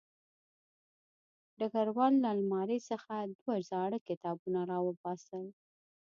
ډګروال له المارۍ څخه دوه زاړه کتابونه راوباسل